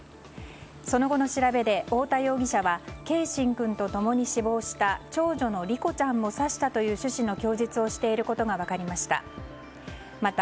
その後の調べで、太田容疑者は継真君と共に死亡した長女の梨心ちゃんも刺したという趣旨の供述をしていることが分かりました。